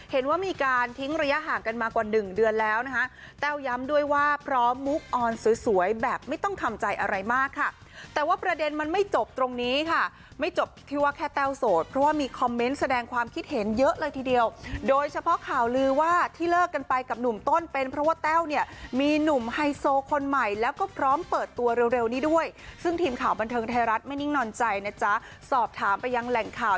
เห็นว่ามีการทิ้งระยะห่างกันมากว่าหนึ่งเดือนแล้วนะฮะแต้วย้ำด้วยว่าพร้อมมุกออนสวยแบบไม่ต้องคำใจอะไรมากค่ะแต่ว่าประเด็นมันไม่จบตรงนี้ค่ะไม่จบที่ว่าแค่แต้วโสดเพราะว่ามีคอมเม้นต์แสดงความคิดเห็นเยอะเลยทีเดียวโดยเฉพาะข่าวลือว่าที่เลิกกันไปกับหนุ่มต้นเป็นเพราะว่าแต้ว